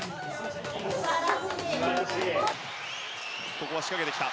ここは仕掛けてきた。